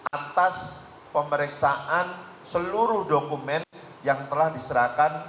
atas pemeriksaan seluruh dokumen yang telah diserahkan